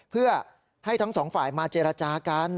เพื่อให้ทั้งสองฝ่ายมาเจรจากัน